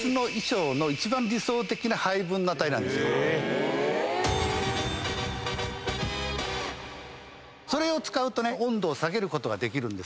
それを使うと温度を下げることができるんですけどあと色ね。